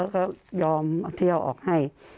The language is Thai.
ก็ยอมที่เอาออกให้